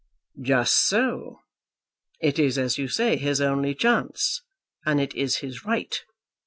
"Just so. It is, as you say, his only chance, and it is his right.